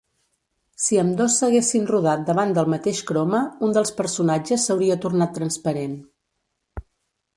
Si ambdós s'haguessin rodat davant del mateix croma, un dels personatges s'hauria tornat transparent.